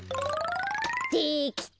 できた！